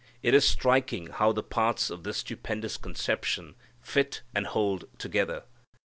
It is striking how the parts of this stupendous conception fit and hold together.